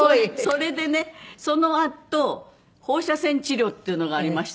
それでねそのあと放射線治療っていうのがありましてね